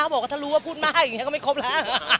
บอกว่าถ้ารู้ว่าพูดมากอย่างนี้ก็ไม่ครบแล้ว